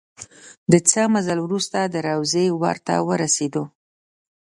د څه مزل وروسته د روضې ور ته ورسېدو.